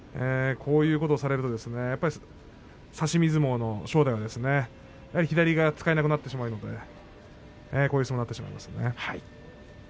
こういうことをされると差し身相撲の正代左が使えなくなってしまうのでこういう相撲になってしまうわけですね。